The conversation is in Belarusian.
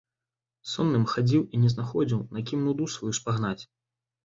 Сонным хадзіў і не знаходзіў, на кім нуду сваю спагнаць.